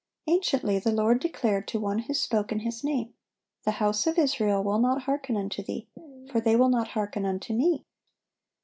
Anciently the Lord declared to one who spoke in His name, "The house of Israel will not hearken unto thee; for they will not hearken unto Me."